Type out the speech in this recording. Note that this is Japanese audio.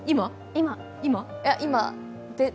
今？